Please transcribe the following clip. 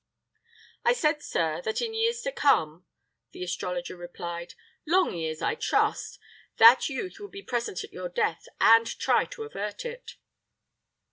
"I said, sir, that in years to come," the astrologer replied "long years, I trust that youth would be present at your death, and try to avert it."